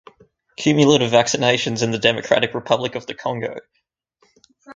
Cumulative vaccinations in the Democratic Republic of the Congo